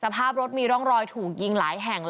เข้าไปในบ้านส่งเสียงโวยวายจนเด็กร้องไห้จ้าเลยอะ